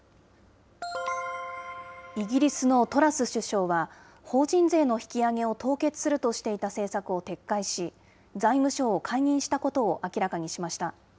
イギリスのトラス首相は、法人税の引き上げを凍結するとしていた政策を撤回し、財務相を解任したことを明らかにしました。